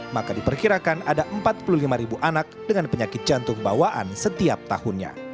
maka diperkirakan ada empat puluh lima ribu anak dengan penyakit jantung bawaan setiap tahunnya